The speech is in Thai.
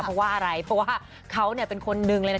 เพราะว่าอะไรเพราะว่าเขาเป็นคนนึงเลยนะ